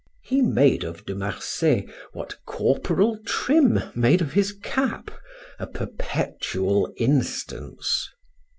He made of De Marsay what Corporal Trim made of his cap, a perpetual instance.